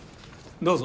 どうぞ。